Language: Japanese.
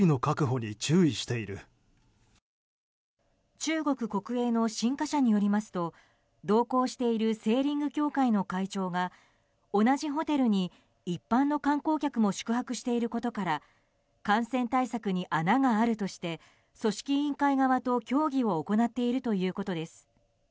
中国国営の新華社によりますと同行しているセーリング協会の会長が同じホテルに一般の観光客も宿泊していることから感染対策に穴があるとして組織委員会側と協議を行っているということです。